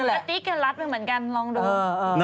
น้ำสติ๊กลัดไปเหมือนกันลองดู